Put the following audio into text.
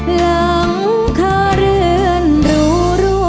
หลังคาเรือนหรู